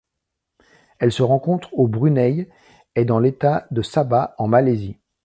Elle se rencontre au Brunei et dans l’État de Sabah en Malaisie.